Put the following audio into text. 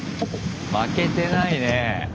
負けてないねぇ。